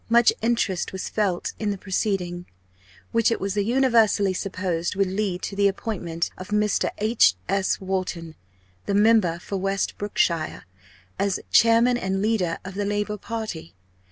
Much interest was felt in the proceedings, which it was universally supposed would lead to the appointment of Mr. H. S. Wharton, the member for West Brookshire, as chairman and leader of the Labour party.